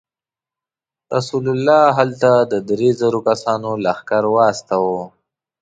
رسول الله هلته د درې زرو کسانو لښکر واستاوه.